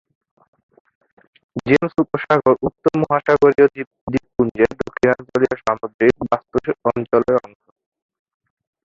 James উপসাগর উত্তর মহাসাগরীয় দ্বীপপুঞ্জের দক্ষিণাঞ্চলীয় সামুদ্রিক বাস্তু অঞ্চলের অংশ।